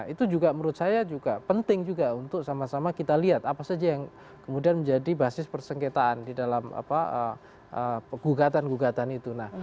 itu juga menurut saya juga penting juga untuk sama sama kita lihat apa saja yang kemudian menjadi basis persengketaan di dalam gugatan gugatan itu